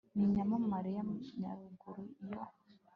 ni nyamamare ya nyaruguru iyo